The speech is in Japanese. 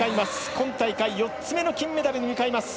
今大会４つ目の金メダルに向かいます。